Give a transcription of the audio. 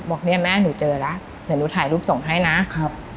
บอกเนี่ยแม่หนูเจอแล้วเดี๋ยวหนูถ่ายรูปส่งให้นะครับ